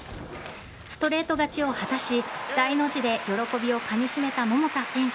ストレート勝ちを果たし大の字で喜びをかみしめた桃田選手。